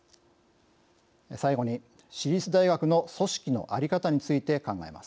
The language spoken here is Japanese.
最後に私立大学の組織の在り方について考えます。